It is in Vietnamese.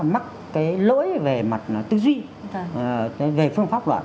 mắc cái lỗi về mặt tư duy về phương pháp luận